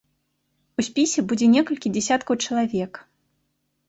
У спісе будзе некалькі дзесяткаў чалавек.